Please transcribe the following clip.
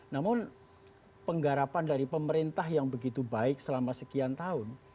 namun penggarapan dari pemerintah yang begitu baik selama sekian tahun